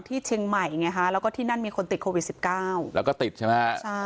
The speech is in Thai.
ที่เชียงใหม่ไงฮะแล้วก็ที่นั่นมีคนติดโควิด๑๙แล้วก็ติดใช่ไหมฮะใช่